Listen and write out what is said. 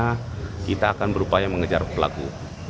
karena kita akan berupaya mengejar pelaku